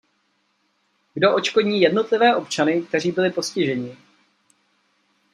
Kdo odškodní jednotlivé občany, kteří byli postiženi?